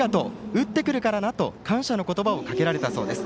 打ってくるからなと感謝の言葉をかけられたそうです。